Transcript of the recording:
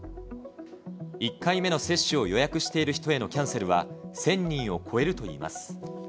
１回目の接種を予約している人へのキャンセルは、１０００人を超えるといいます。